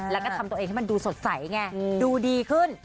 แล้วก็ทำตัวเองให้มันดูสดใสไงดูดีขึ้น